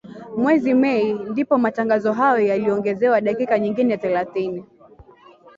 Mwezi Mei ndipo matangazo hayo yaliongezewa dakika nyingine thelathini